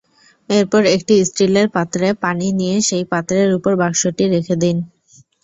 এরপর একটি স্টিলের পাত্রে পানি নিয়ে সেই পাত্রের ওপর বাক্সটি রেখে দিন।